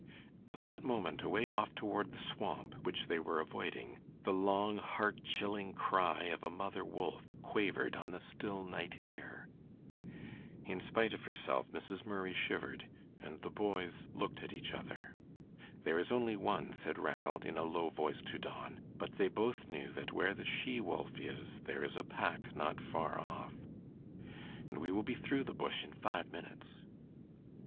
At that moment away off toward the swamp, which they were avoiding, the long, heart chilling cry of a mother wolf quavered on the still night air. In spite of herself, Mrs. Murray shivered, and the boys looked at each other. "There is only one," said Ranald in a low voice to Don, but they both knew that where the she wolf is there is a pack not far off. "And we will be through the bush in five minutes."